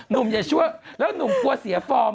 หนุ่มอย่าช่วยแล้วหนุ่มกลัวเสียฟอร์ม